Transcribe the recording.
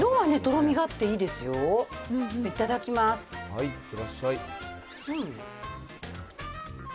はい、いってらっしゃい。